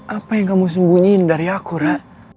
apa yang kamu sembunyiin dari aku rak